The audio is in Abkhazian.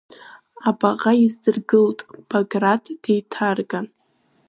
Абаҟа издыргылт Баграт, деиҭарган.